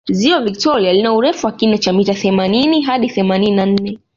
ziwa victoria lina urefu wa kina cha mita themanini hadi themanini na nne